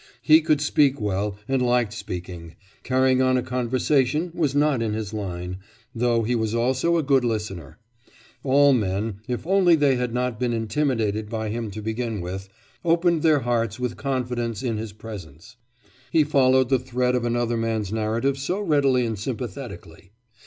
He could speak well and liked speaking; carrying on a conversation was not in his line, though he was also a good listener. All men if only they had not been intimidated by him to begin with opened their hearts with confidence in his presence; he followed the thread of another man's narrative so readily and sympathetically.